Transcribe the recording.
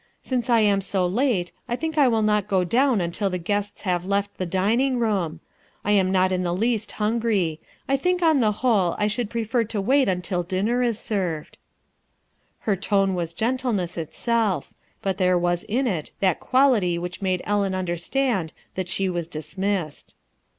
"Since I am so late, I think I will not go down until the guests have left the dining room. I am not in the least hungry; I think on the whole I should prefer to wait until dinner is served," Her tone was gentleness itself; but there was in it that quality which made Ellen under stand that she was dismissed.